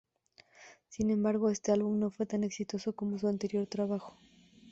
Sin embargo, este álbum no fue tan exitoso como su anterior trabajo.